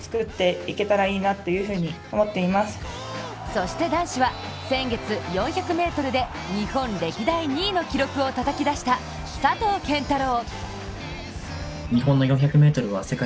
そして男子は、先月４００ｍで日本歴代２位の記録をたたき出した佐藤拳太郎。